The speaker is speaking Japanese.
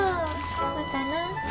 またな。